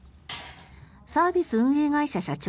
サービス運営会社社長